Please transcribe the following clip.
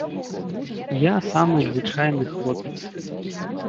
Я самы звычайны хлопец.